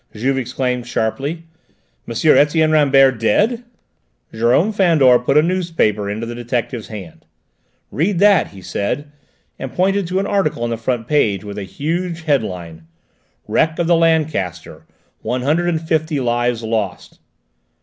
Juve exclaimed sharply. "M. Etienne Rambert dead?" Jérôme Fandor put a newspaper into the detective's hand. "Read that," he said, and pointed to an article on the front page with a huge head line: "_Wreck of the 'Lancaster': 150 Lives Lost.